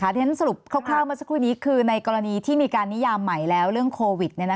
ที่ฉันสรุปคร่าวเมื่อสักครู่นี้คือในกรณีที่มีการนิยามใหม่แล้วเรื่องโควิด